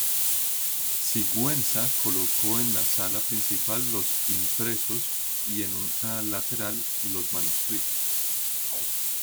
Sigüenza colocó en la Sala Principal los impresos y en una lateral los manuscritos.